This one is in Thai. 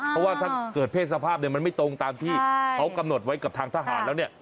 เพราะว่าถ้าเกิดเพศสภาพเนี่ยมันไม่ตรงตามที่เขากำหนดไว้กับทางทหารแล้วเนี่ย